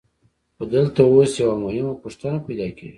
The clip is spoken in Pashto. خو دلته اوس یوه مهمه پوښتنه پیدا کېږي